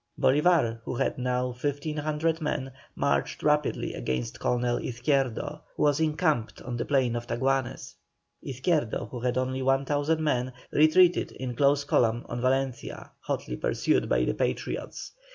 Bolívar, who had now 1,500 men, marched rapidly against Colonel Izquierdo, who was encamped on the plain of Taguanes. Izquierdo, who had only 1,000 men, retreated in close column on Valencia, hotly pursued by the Patriots.